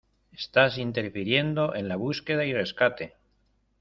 ¡ Estás interfiriendo en la búsqueda y rescate!